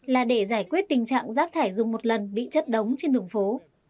là để giải quyết tình trạng rác thải dùng một lần bị chất đóng trên đường phố